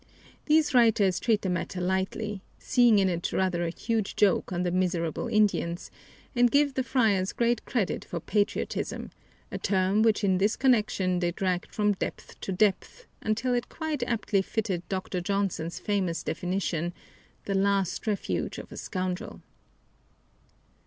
These writers treat the matter lightly, seeing in it rather a huge joke on the "miserable Indians," and give the friars great credit for "patriotism," a term which in this connection they dragged from depth to depth until it quite aptly fitted Dr. Johnson's famous definition, "the last refuge of a scoundrel."